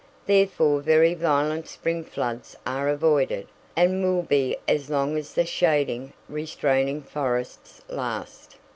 Therefore very violent spring floods are avoided, and will be as long as the shading, restraining forests last.